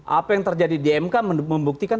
apa yang terjadi di mk membuktikan